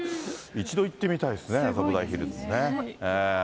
一度行ってみたいですね、麻布台ヒルズね。